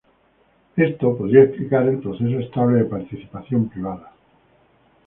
Esto podría explicar el proceso estable de participación privada.